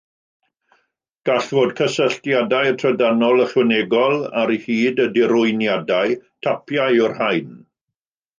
Gall fod cysylltiadau trydanol ychwanegol ar hyd y dirwyniadau; tapiau yw'r rhain.